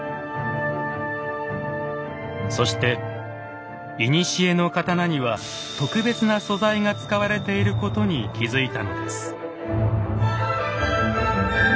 そして古の刀には特別な素材が使われていることに気付いたのです。